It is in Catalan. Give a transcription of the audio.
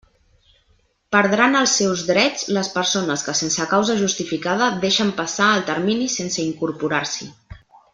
Perdran els seus drets les persones que sense causa justificada deixen passar el termini sense incorporar-s'hi.